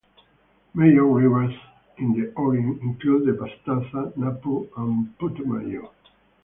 Major rivers in the Oriente include the Pastaza, Napo, and Putumayo.